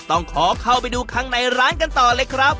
ต้องขอเข้าไปดูข้างในร้านกันต่อเลยครับ